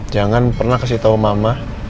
jangan pernah kasih tahu mama